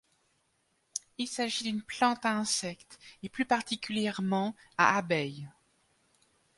Il s’agit d’une plantes à insectes et plus particulièrement à abeilles.